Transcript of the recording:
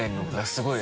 すごい。